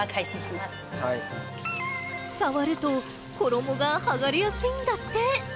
触ると、衣が剥がれやすいんだって。